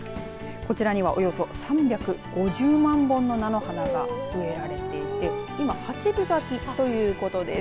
こちらにはおよそ３５０万本の菜の花が植えられていて今、８分咲きということです。